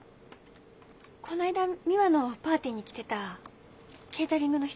この間美羽のパーティーに来てたケータリングの人。